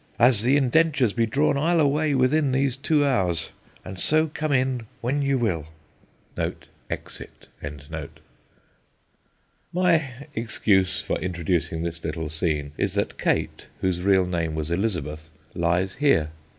An the indentures be drawn, I'll away within these two hours; and so come in when ye will. [Exit. My excuse for introducing this little scene is that Kate, whose real name was Elizabeth, lies here.